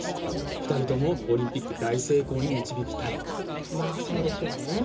２人ともオリンピック大成功にまあ、そうでしょうね。